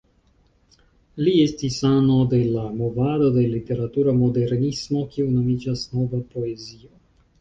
Li estis ano de la movado de literatura modernismo kiu nomiĝas "Nova Poezio".